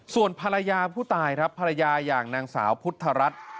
ส่วนภรรยาผู้ตายครับภรรยาอย่างนางสาวพุทธรัฐ